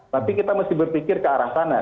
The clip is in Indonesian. tapi kita mesti berpikir ke arah sana